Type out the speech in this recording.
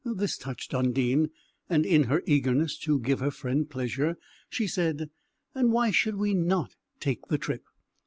This touched Undine, and in her eagerness to give her friend pleasure, she said: "And why should we not take the trip?"